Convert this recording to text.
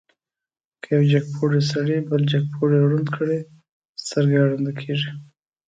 که یو جګپوړی سړی بل جګپوړی ړوند کړي، سترګه یې ړنده کېږي.